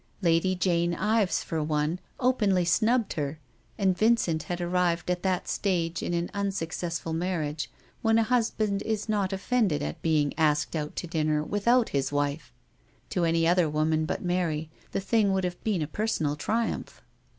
Lady Jane Ives, for one, openly snubbed her, and Vincent had arrived at that stage in an unsuccessful marriage when a husband is not offended at being asked out to dinner without his wife. To any other woman but Mary the thing would have been a personal triumph.